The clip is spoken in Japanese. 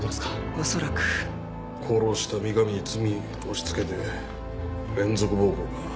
おそらく。殺した三上に罪押し付けて連続暴行か。